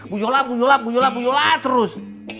bu yolam bu yolam bu yolam bu yolam terus